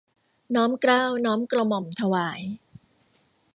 น้อมเกล้าน้อมกระหม่อมถวาย